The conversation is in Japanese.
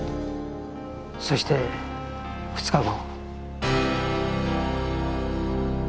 そして２日後。